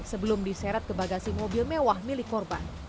sebelum diseret ke bagasi mobil mewah milik korban